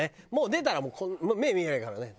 出たらもう目見えないからね。